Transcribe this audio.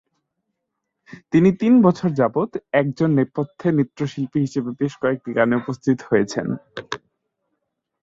তিনি তিন বছর যাবত একজন নেপথ্য নৃত্যশিল্পী হিসেবে বেশ কয়েকটি গানে উপস্থিত হয়েছেন।